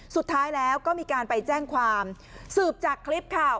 สุดท้ายแล้วก็มีการไปแจ้งความสืบจากคลิปค่ะ